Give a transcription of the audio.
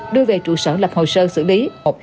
đưa về trụ sở lập hồ sơ xử lý